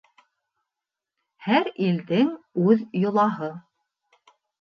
Һәр илдең үҙ йолаһы.